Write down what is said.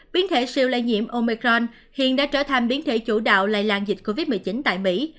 biến thể siêu lây nhiễm omecron hiện đã trở thành biến thể chủ đạo lây lan dịch covid một mươi chín tại mỹ